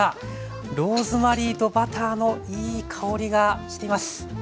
ローズマリーとバターのいい香りがしています。